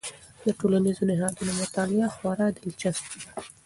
د ټولنیزو نهادونو مطالعه خورا دلچسپ ده.